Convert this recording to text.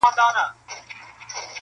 نن مي خیال خمار خمار لکه خیام دی,